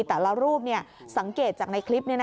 แต่ละรูปสังเกตจากในคลิป